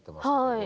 はい。